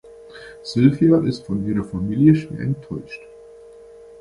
Sylvia ist von ihrer Familie schwer enttäuscht.